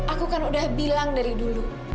aku kan udah bilang dari dulu